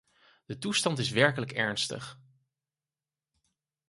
De toestand is werkelijk ernstig.